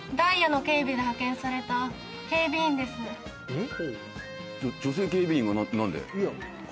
えっ？